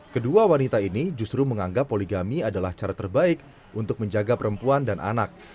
kedua wanita ini justru menganggap poligami adalah cara terbaik untuk menjaga perempuan dan anak